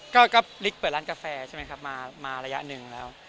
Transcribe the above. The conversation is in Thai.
ก็ลิกเปิดร้านกาแฟมาระยะหนึ่งแล้ว